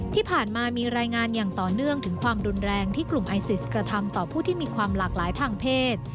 ที่ผ่านมามีรายงานอย่างต่อเนื่องถึงความรุนแรงที่กลุ่มไอซิสกระทำต่อผู้ที่มีความหลากหลายทางเพศ